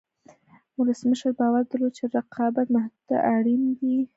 ولسمشر باور درلود چې رقابت محدودول اړین دي.